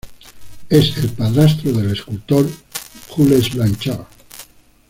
Él es el padrastro del escultor Jules Blanchard.